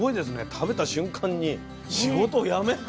食べた瞬間に仕事を辞めて。